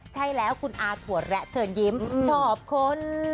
ใช่แล้วคุณอาถั่วแระเชิญยิ้มชอบคน